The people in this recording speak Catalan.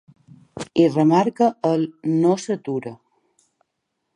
I remarca el ‘no s’atura’.